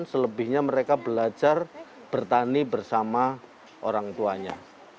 selebihnya mereka belajar bertani bersama orang tuanya